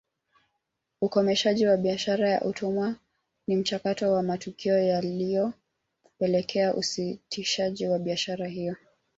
Ukomeshaji wa biashara ya utumwa ni mchakato wa matukio yaliyopelekea usitishaji wa biashara hiyo